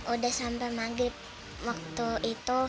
udah sampai maghrib waktu itu